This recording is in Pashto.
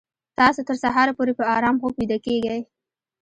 تاسو تر سهاره پورې په ارام خوب ویده کیږئ